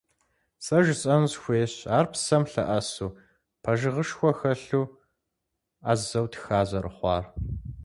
Сэ жысӀэну сыхуейщ ар псэм лъэӀэсу, пэжыгъэшхуэ хэлъу, Ӏэзэу тха зэрыхъуар.